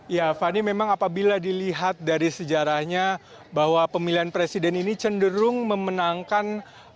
ya fani memang apabila dilihat dari sejarahnya bahwa pemilihan presiden ini cenderung memenangkan